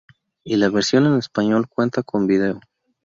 Y la versión en español cuenta con video.